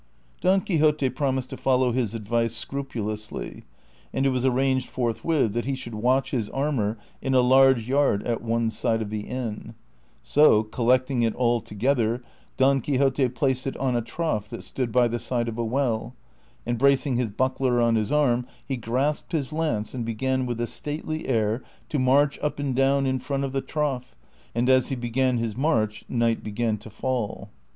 Don Quixote promised to follow his advice scrupulously, and it was arranged forthwith that he should watch his armor in a large yard at one side of the inn ; so, collecting it all together, Don Quixote placed it on a trough that stood by the side of a well, and bracing his buckler on his ami he grasped his lance and began with a stately air to march up and down in front of the trough, and as he l)egan his march night began to fall.